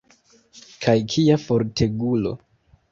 Kaj kia fortegulo!